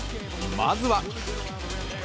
まずは。